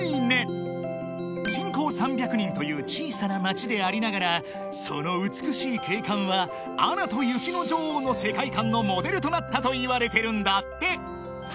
［人口３００人という小さな町でありながらその美しい景観は『アナと雪の女王』の世界観のモデルとなったといわれてるんだって］